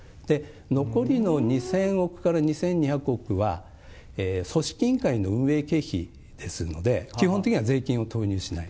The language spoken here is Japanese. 残りの２０００億から２２００億は、組織委員会の運営経費ですので、基本的には税金を投入しない。